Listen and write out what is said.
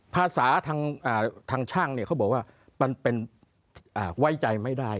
ภาษาทางช่างเขาบอกว่ามันเป็นไว้ใจไม่ได้